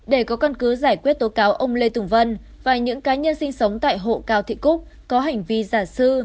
để có cân cứ giải quyết tố cáo ông lê tùng vân và những cá nhân sinh sống tại hộ cao thị cúc có hình ví giả sư